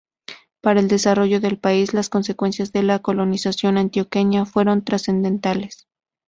Para el desarrollo del país las consecuencias de la colonización antioqueña fueron trascendentales.